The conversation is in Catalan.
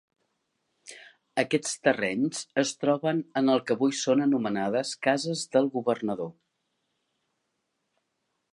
Aquests terrenys es troben en el que avui són anomenades cases del Governador.